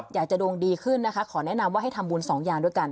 อยากจะดวงดีขึ้นนะคะขอแนะนำว่าให้ทำบุญสองอย่างด้วยกัน